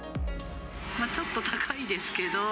ちょっと高いですけど。